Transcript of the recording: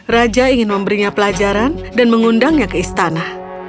raja ingin memberinya pelajaran dan mengundangnya ke istana